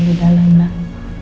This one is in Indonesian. nanti pada akhirnya kita simpah